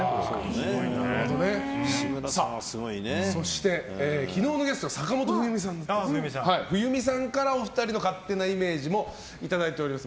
そして昨日のゲスト坂本冬美さんからお二人の勝手なイメージもいただいております。